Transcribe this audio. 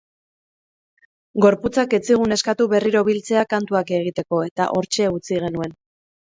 Gorputzak ez zigun eskatu berriro biltzea kantuak egiteko, eta hortxe utzi genuen.